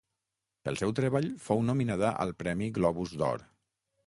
Pel seu treball fou nominada al premi Globus d'Or.